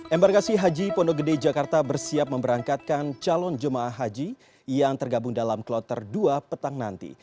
embarkasi haji pondok gede jakarta bersiap memberangkatkan calon jemaah haji yang tergabung dalam kloter dua petang nanti